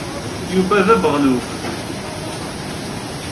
Yuba d abeɣluf.